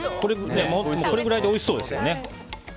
これくらいでおいしそうですよね。